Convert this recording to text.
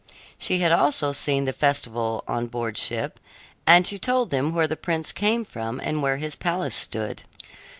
She had also seen the festival on board ship, and she told them where the prince came from and where his palace stood.